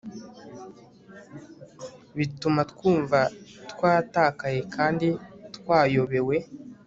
bituma twumva twatakaye kandi twayobewe